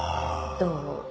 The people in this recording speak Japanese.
どう？